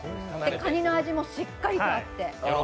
かにの味もしっかりとあって。